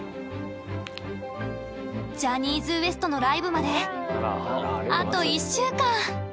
ジャニーズＷＥＳＴのライブまであと１週間。